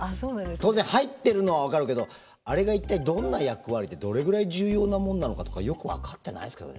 当然入ってるのは分かるけどあれが一体どんな役割でどれぐらい重要なもんなのかとかよく分かってないですけどね。